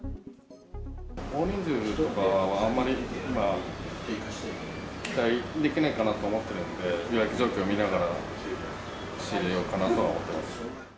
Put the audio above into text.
大人数とかはあまり期待できないかなと思ってるので、予約状況を見ながら仕入れようかなとは思ってます。